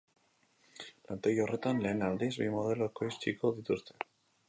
Lantegi horretan lehen aldiz, bi modelo ekoitziko dituzte.